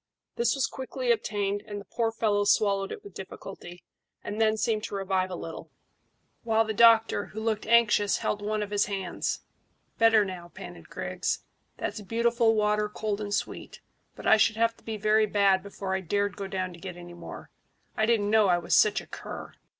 This was quickly obtained, and the poor fellow swallowed it with difficulty, and then seemed to revive a little, while the doctor, who looked anxious, held one of his hands. "Better now," panted Griggs. "That's beautiful water, cold and sweet; but I should have to be very bad before I dared go down to get any more. I didn't know I was such a cur."